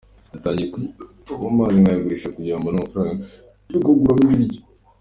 Natangiye kujya mvoma amazi nkayagurisha kugira ngo mbone amafaranga yo kuguramo ibiryo.